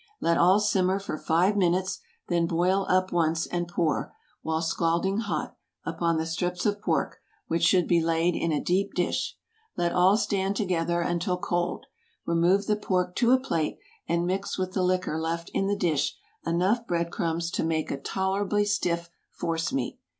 Let all simmer for five minutes, then boil up once, and pour, while scalding hot, upon the strips of pork, which should be laid in a deep dish. Let all stand together until cold. Remove the pork to a plate, and mix with the liquor left in the dish enough bread crumbs to make a tolerably stiff force meat.